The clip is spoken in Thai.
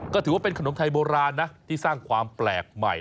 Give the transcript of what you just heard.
ก็ถือว่าเป็นขนมไทยโบราณนะที่สร้างความแปลกใหม่